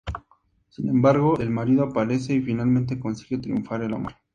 Sin embargo, el marido aparece y finalmente consigue triunfar el amor.